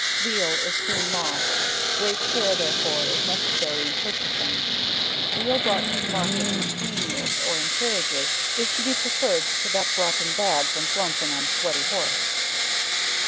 Veal, is soon lost great care therefore is necessary in purchasing. Veal bro't to market in panniers, or in carriages, is to be prefered to that bro't in bags, and flouncing on a sweaty horse.